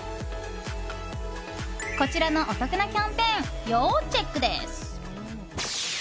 お得なキャンペーン要チェックです。